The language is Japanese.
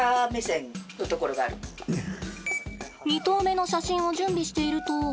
２頭目の写真を準備していると。